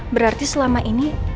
berarti selama ini